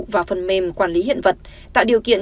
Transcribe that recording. và phần mềm quản lý hiện vật tạo điều kiện